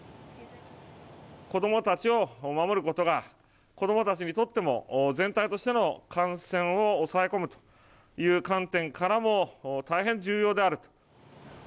子どもたちを守ることが、子どもたちにとっても、全体としての感染を抑え込むという観点からも、大変重要である。